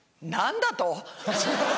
何だと？